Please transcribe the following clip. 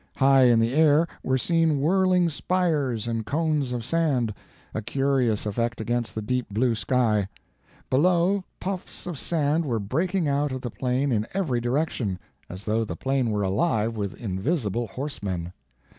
High in the air were seen whirling spires and cones of sand—a curious effect against the deep blue sky. Below, puffs of sand were breaking out of the plain in every direction, as though the plain were alive with invisible horsemen.